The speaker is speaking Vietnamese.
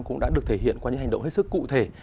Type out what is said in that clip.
cũng đã được thể hiện qua những hành động hết sức cụ thể